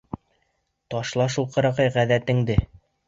— Ташла шул ҡырағай ғәҙәтеңде!